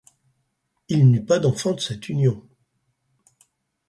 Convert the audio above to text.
Il n'eut pas d'enfant de cette union.